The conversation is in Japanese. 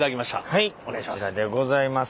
はいこちらでございます。